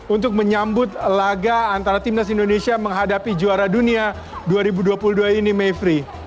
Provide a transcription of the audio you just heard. untuk menyambut laga antara timnas indonesia menghadapi juara dunia dua ribu dua puluh dua ini mayfrey